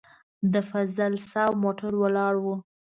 د فضل صاحب موټر ولاړ و.